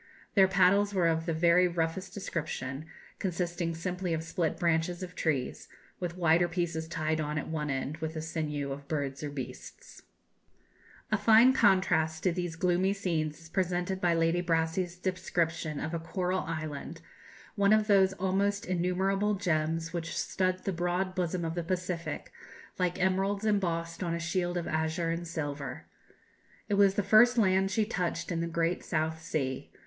Their paddles were of the very roughest description, consisting simply of split branches of trees, with wider pieces tied on at one end with the sinews of birds or beasts." A fine contrast to these gloomy scenes is presented by Lady Brassey's description of a coral island, one of those almost innumerable gems which stud the broad bosom of the Pacific, like emeralds embossed on a shield of azure and silver. It was the first land she touched in the great South Sea.